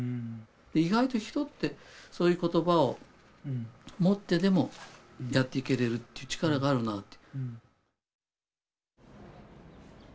意外と人ってそういう言葉をもってでもやっていけるという力があるなと。